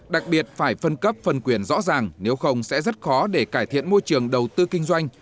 đặc biệt phải phân cấp phân quyền rõ ràng nếu không sẽ rất khó để cải thiện môi trường đầu tư kinh doanh